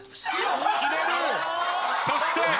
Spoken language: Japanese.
そして。